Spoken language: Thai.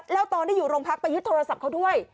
แล้วตอนที่อยู่โรงพักไปยึดโทรศัพท์เขาด้วย